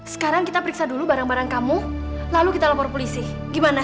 sekarang kita periksa dulu barang barang kamu lalu kita lapor polisi gimana